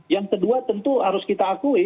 yang kedua tentu harus kita akui